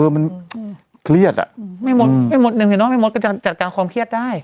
เออมันเครียดอ่ะอืมไม่มดไม่มดไม่มดก็จะจัดการความเครียดได้